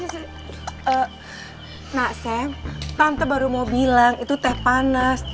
eee naksam tante baru mau bilang itu teh panas